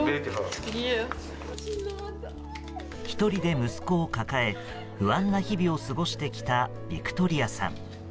１人で息子を抱え不安な日々を過ごしてきたビクトリアさん。